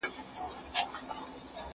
زه به سبا بازار ته ولاړ سم؟!